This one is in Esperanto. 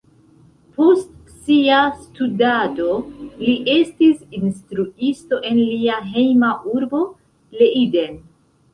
Post sia studado, li estis instruisto en lia hejma urbo Leiden.